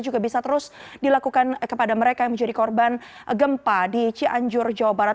juga bisa terus dilakukan kepada mereka yang menjadi korban gempa di cianjur jawa barat